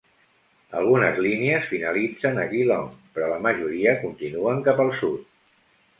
Algunes línies finalitzen a Geelong, però la majoria continuen cap al sud.